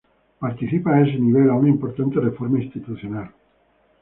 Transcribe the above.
Participa, a ese nivel, a una importante reforma institucional.